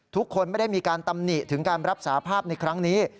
ทุกคนไม่ได้มีการตำหนิถึงการรับสาภาพในครั้งนี้